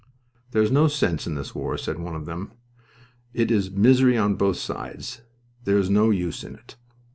"There is no sense in this war," said one of them. "It is misery on both sides. There is no use in it."